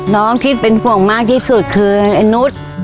น้องที่เป็นห่วงมากที่สุดคือไอ้นุษย์